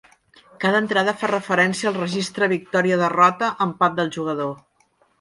Cada entrada fa referència al registre Victòria-Derrota-Empat del jugador.